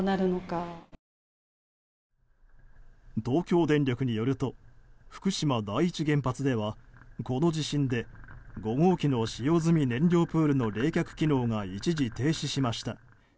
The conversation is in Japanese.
東京電力によると福島第一原発ではこの地震で５号機の使用済み燃料プールの冷却機能が一時停止しました。